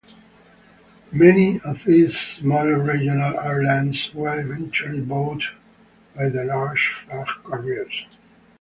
Many of these smaller regional airlines were eventually bought by the larger flag carriers.